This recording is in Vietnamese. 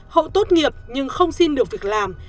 hậu tốt nghiệp nhưng không xin được việc làm